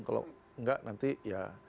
kalau enggak nanti ya